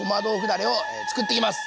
だれを作っていきます。